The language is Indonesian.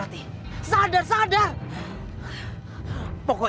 tidak mas saya belum siap menikah